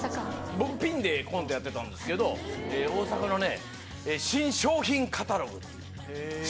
僕、ピンでコントやってたんですけど、大阪のね、新笑品カタログ。